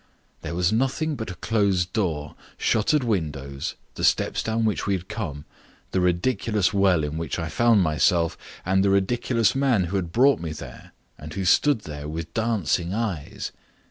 There was nothing but a closed door, shuttered windows, the steps down which we had come, the ridiculous well in which I found myself, and the ridiculous man who had brought me there, and who stood there with dancing eyes.